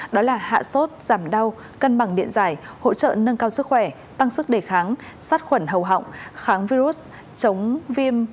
đó là hạ sốt giảm đau cân bằng điện giải hỗ trợ nâng cao sức khỏe tăng sức đề kháng sát khuẩn hầu họng kháng virus chống viêm